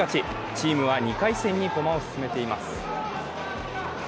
チームは２回戦に駒を進めています